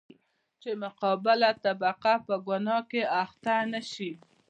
چـې مـقابله طبـقه پـه ګنـاه کـې اخـتـه نـشي.